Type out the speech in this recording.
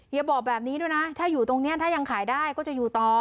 อย่าบอกแบบนี้ด้วยนะถ้าอยู่ตรงนี้ถ้ายังขายได้ก็จะอยู่ต่อ